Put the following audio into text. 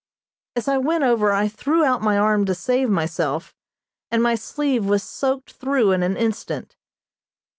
As I went over I threw out my arm to save myself, and my sleeve was soaked through in an instant.